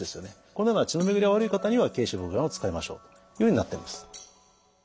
このような血の巡りが悪い方には桂枝茯苓丸を使いましょうというふうになっています。